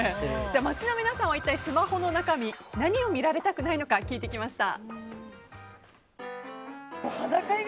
街の皆さんは一体スマホの中身何を見られたくないのか聞いてきました。